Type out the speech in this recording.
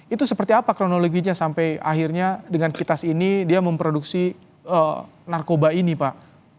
itu seperti apa kronologinya sampai akhirnya dengan kitas ini dia memproduksi narkoba ini pak